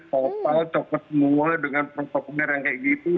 sopal cokel semua dengan proses penggarang kayak gitu